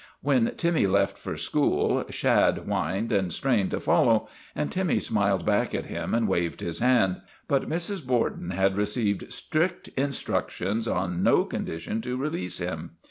When Timmy left for school, Shad whined and strained to follow, and Timmy smiled back at him and waved his hand, but Mrs. Borden had received strict instructions on no condition to release him.